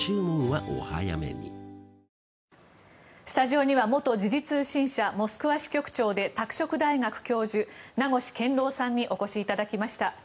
スタジオには元時事通信社モスクワ支局長で拓殖大学教授、名越健郎さんにお越しいただきました。